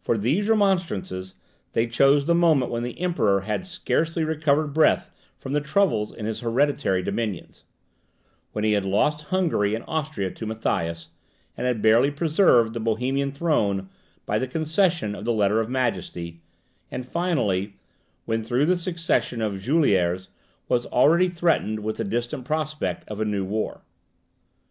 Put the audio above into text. For these remonstrances, they chose the moment when the Emperor had scarcely recovered breath from the troubles in his hereditary dominions, when he had lost Hungary and Austria to Matthias, and had barely preserved his Bohemian throne by the concession of the Letter of Majesty, and finally, when through the succession of Juliers he was already threatened with the distant prospect of a new war.